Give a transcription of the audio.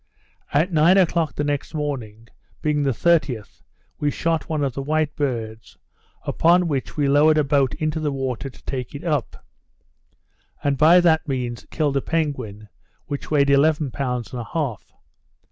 At nine o'clock the next morning, being the 30th, we shot one of the white birds, upon which we lowered a boat into the water to take it up, and by that means killed a penguin which weighed eleven pounds and a half.